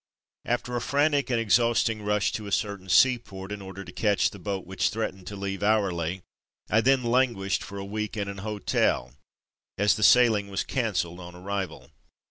After a frantic and exhausting rush to a certain seaport, in order to catch the boat Held Up 293 which threatened to leave hourly, I then languished for a week in an hotel, as the sailing was cancelled on arrival.